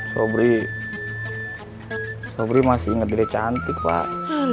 sobri sobri masih inget diri cantik pak